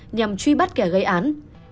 nhằm truy bắt kẻ gây án